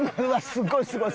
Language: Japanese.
すごいすごい！